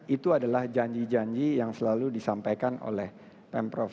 itu adalah janji janji yang selalu disampaikan oleh pemprov